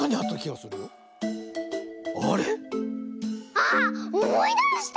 あっおもいだした！